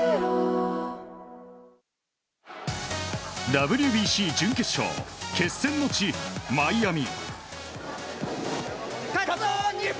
ＷＢＣ準決勝決戦の地、マイアミ。